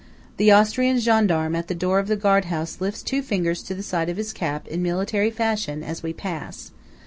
The Austrian gendarme at the door of the guard house lifts two fingers to the side of his cap in military fashion, as we pass.